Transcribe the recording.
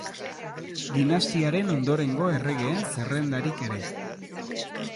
Dinastiaren ondorengo erregeen zerrendarik ere.